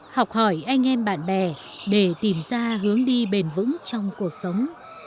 học hỏi anh em bạn bè để tìm ra hướng đi bền vững trong cuộc sống